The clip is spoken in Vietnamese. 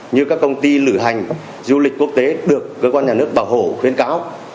như các công ty lửa hành du lịch quốc tế được cơ quan nhà nước bảo hộ khuyến cáo